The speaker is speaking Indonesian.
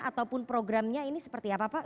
ataupun programnya ini seperti apa pak